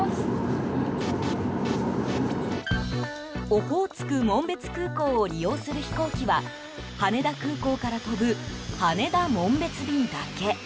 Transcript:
オホーツク紋別空港を利用する飛行機は羽田空港から飛ぶ羽田紋別便だけ。